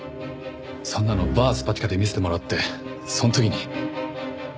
そんなのＢＡＲＳｐｈａｔｉｋａで見せてもらってその時に。